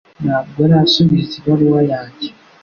Ntabwo arasubiza ibaruwa yanjye